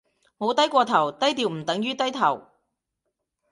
冇低過頭，低調唔等於低頭